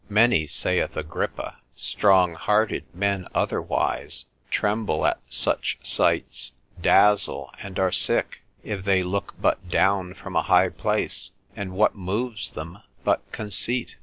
Many (saith Agrippa), strong hearted men otherwise, tremble at such sights, dazzle, and are sick, if they look but down from a high place, and what moves them but conceit?